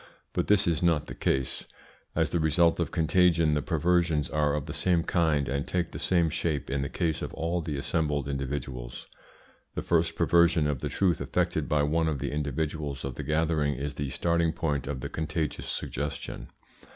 But this is not the case. As the result of contagion the perversions are of the same kind, and take the same shape in the case of all the assembled individuals. The first perversion of the truth effected by one of the individuals of the gathering is the starting point of the contagious suggestion.